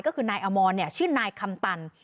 ก็คือนายอมรชื่อนายคำตัน